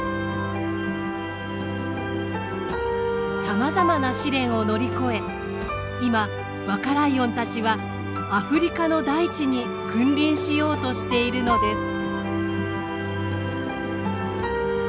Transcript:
さまざまな試練を乗り越え今若ライオンたちはアフリカの大地に君臨しようとしているのです。